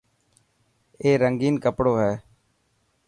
اي رنگين ڪپڙو هي.